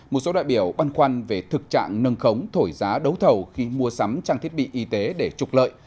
một số đại biểu băn khoăn về thực trạng nâng khống thổi giá đấu thầu khi mua sắm trang thiết bị y tế để trục lợi